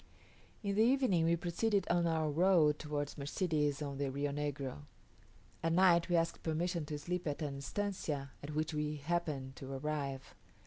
In the evening we proceeded on our road towards Mercedes on the Rio Negro. At night we asked permission to sleep at an estancia at which we happened to arrive.